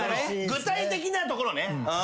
具体的なところね。